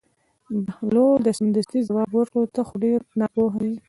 بهلول سمدستي ځواب ورکړ: ته خو ډېر ناپوهه یې.